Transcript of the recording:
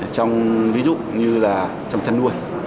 trong ví dụ như là trong chăn nuôi